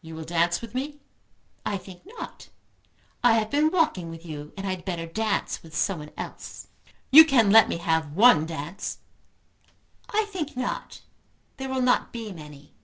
"You will dance with me?" "I think not. I have been walking with you, and I had better dance with someone else." "You can let me have one dance." "I think not. There will not be many."